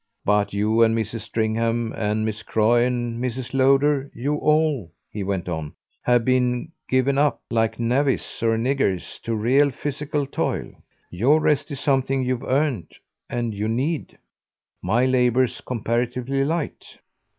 But you and Mrs. Stringham, with Miss Croy and Mrs. Lowder you all," he went on, "have been given up, like navvies or niggers, to real physical toil. Your rest is something you've earned and you need. My labour's comparatively light."